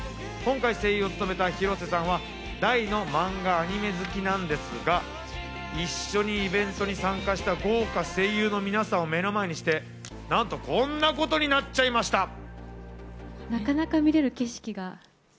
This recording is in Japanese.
今回声優を務めた広瀬さんは大の漫画・アニメ好きなんですが一緒にイベントに参加した豪華声優の皆さんを目の前にして、なんとこんなことになっちゃいました。